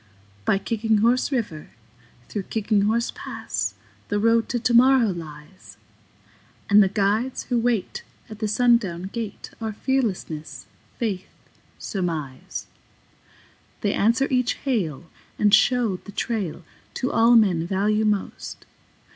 By Kicking Horse River, through Kicking Horse Pass, The Road to Tomorrow lies; And the guides who wait at the sundown gate Are Fearlessness, Faith, Surmise. They answer each hail and show the trail To all men value most.